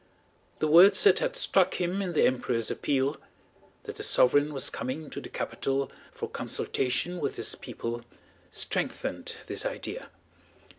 The words that had struck him in the Emperor's appeal—that the sovereign was coming to the capital for consultation with his people—strengthened this idea.